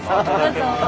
どうぞ。